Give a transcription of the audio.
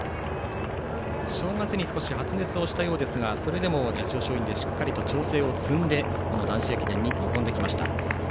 正月に少し発熱したようですがそれでも八千代松陰でしっかりと調整を積んで男子駅伝に臨んできました。